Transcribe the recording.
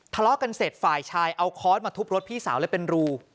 ทะเลาะกันเสร็จฝ่ายชายเอาค้อนมาทุบรถพี่สาวเลยเป็นรู